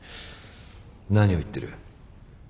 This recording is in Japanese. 何を言ってる。